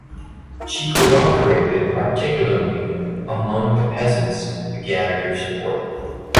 She cooperated particularly among the peasants to gather their support.